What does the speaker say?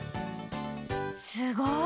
すごい！